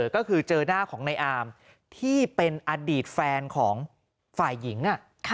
ก็คือเจอหน้าของในอามที่เป็นอดีตแฟนของฝ่ายหญิง